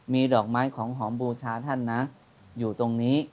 มีดอกไม้ของหอมบูชาท่านนะอยู่ตรงนี้